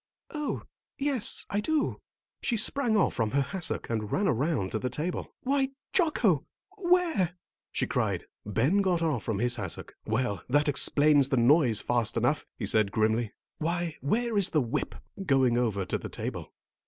"Oh, yes, I do." She sprang off from her hassock and ran around to the table. "Why, Jocko, where " she cried. Ben got off from his hassock. "Well, that explains the noise fast enough," he said grimly. "Why, where is the whip?" going over to the table.